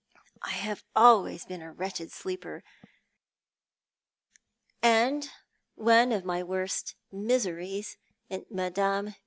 I have always been a wretched sleeper; and one of my worst miseries at Mme.